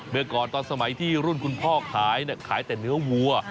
เมื่อก่อนตอนสมัยที่รุ่นคุณพ่อขายขายแต่เนื้อวัว